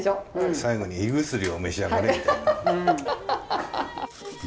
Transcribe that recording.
最後に胃薬を召し上がれみたいな。